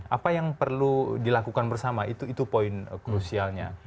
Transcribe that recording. apa yang perlu dilakukan bersama itu poin krusialnya